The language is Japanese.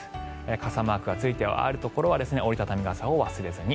傘マークがついているところは折り畳み傘を忘れずに。